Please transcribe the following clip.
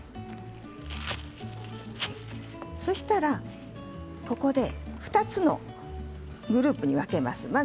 そしたら、ここで２つのグループに分けます。